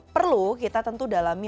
perlu kita tentu dalami